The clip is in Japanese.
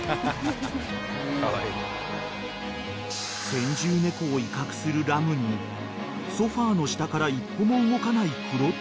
［先住猫を威嚇するラムにソファの下から一歩も動かないクロッチ］